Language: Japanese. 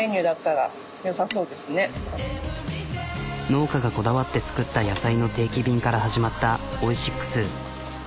農家がこだわって作った野菜の定期便から始まったオイシックス。